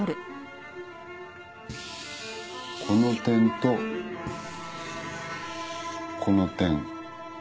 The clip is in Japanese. この点とこの点。